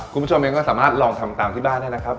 คุณผู้ชมเองก็สามารถลองทำตามที่บ้านได้นะครับ